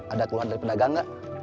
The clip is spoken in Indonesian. ada keluar dari pedagang enggak